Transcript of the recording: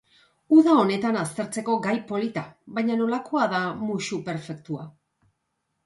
Udan honetan aztertzeko gai polita, baina nolako da musu perfektua?